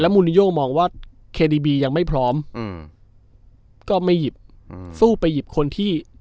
แล้วมูลิโย่มองว่ายังไม่พร้อมอืมก็ไม่หยิบอืมสู้ไปหยิบคนที่